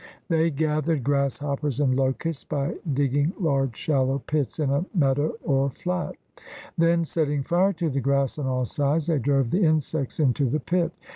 They gathered grasshoppers and locusts by digging large shallow pits in a meadow or flat. Then, setting fire to the grass on all sides, they drove the insects into the pit.